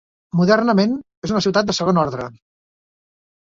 Modernament és una ciutat de segon orde.